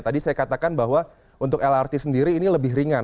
tadi saya katakan bahwa untuk lrt sendiri ini lebih ringan